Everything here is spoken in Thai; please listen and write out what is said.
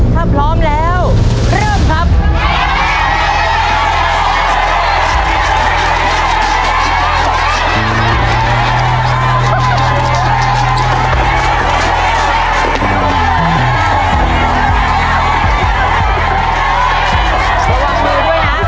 ถ้าพร้อมแล้วเริ่มครับ